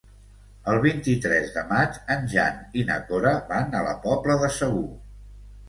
El vint-i-tres de maig en Jan i na Cora van a la Pobla de Segur.